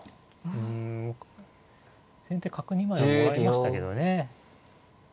うん先手角２枚はもらいましたけどね。